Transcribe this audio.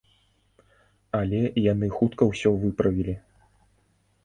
Але яны хутка ўсё выправілі.